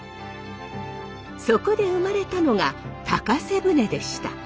そこで生まれたのが高瀬舟でした。